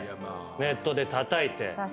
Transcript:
ネットでたたいて。